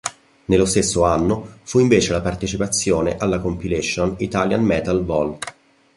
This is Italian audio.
Nello stesso anno fu invece la partecipazione alla compilation "Italian Metal Vol.